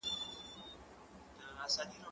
مرسته د زهشوم له خوا کيږي؟!